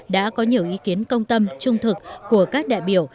đã có nhiều ý kiến công tâm trung thực của các đại biểu